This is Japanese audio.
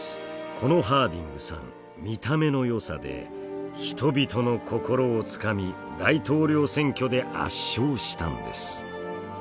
このハーディングさん見た目のよさで人々の心をつかみ大統領選挙で圧勝したんです。